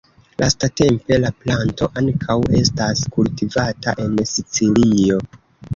Lastatempe la planto ankaŭ estas kultivata en Sicilio.